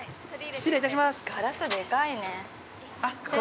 ◆失礼いたします。